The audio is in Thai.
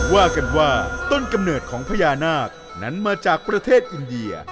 ว่ากันว่าต้นกำเนิดของพญานาคนั้นมาจากประเทศอินเดีย